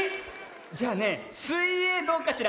じゃあねすいえいどうかしら？